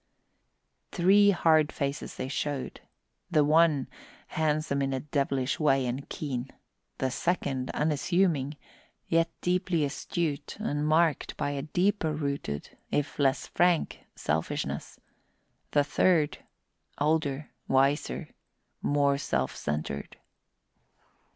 Three hard faces they showed: the one, handsome in a devilish way and keen; the second, unassuming, yet deeply astute and marked by a deeper rooted, if less frank, selfishness; the third, older, wiser, more self centred.